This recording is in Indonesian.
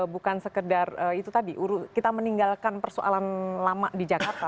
bukan sekedar itu tadi kita meninggalkan persoalan lama di jakarta